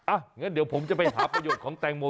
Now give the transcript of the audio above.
งั้นเดี๋ยวผมจะไปหาประโยชน์ของแตงโม